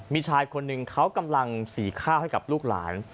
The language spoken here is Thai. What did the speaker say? มีชายคนหนึ่งเขากำลังสีข้าวให้กับลูกหลาน